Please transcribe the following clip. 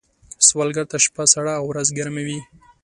سوالګر ته شپه سړه او ورځ ګرمه وي